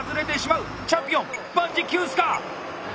チャンピオン万事休すか！